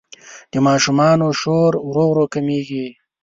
د ماشومانو شور ورو ورو کمېږي.